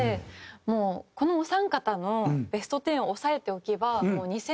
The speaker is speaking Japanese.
もうこのお三方のベスト１０を押さえておけば。